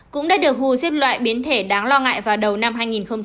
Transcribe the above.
cũng đã được who xếp loại biến thể đáng lo ngại vào đầu năm hai nghìn hai mươi một